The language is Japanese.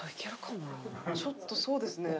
ちょっとそうですね。